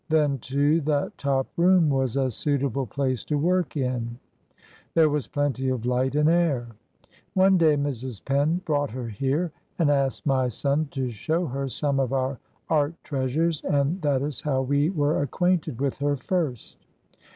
Then, too, that top room was a suitable place to work in; there was plenty of light and air. One day Mrs. Penn brought her here, and asked my son to show her some of our art treasures, and that is how we were acquainted with her first."